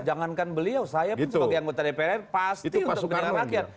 jangankan beliau saya sebagai anggota dpr pasti untuk kepentingan rakyat